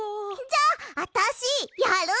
じゃああたしやる！